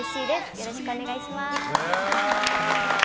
よろしくお願いします。